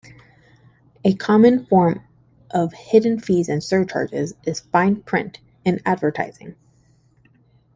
A common form of hidden fees and surcharges is "fine print" in advertising.